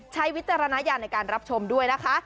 วิจารณญาณในการรับชมด้วยนะคะ